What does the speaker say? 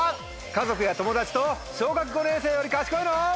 家族や友達と『小学５年生より賢いの？』。